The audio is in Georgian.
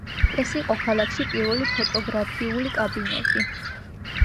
ეს იყო ქალაქში პირველი ფოტოგრაფიული კაბინეტი.